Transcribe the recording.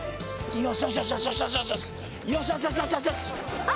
よし！